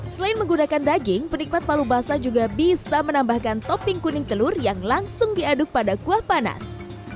selain menggunakan daging penikmat palu basah juga bisa menambahkan topping kuning telur yang langsung diaduk pada kuah panas